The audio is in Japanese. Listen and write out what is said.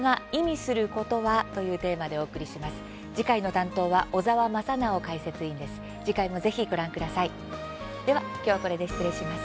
担当は小澤正修解説委員です。